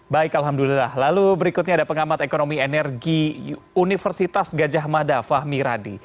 baik alhamdulillah lalu berikutnya ada pengamat ekonomi energi universitas gajah mada fahmi radi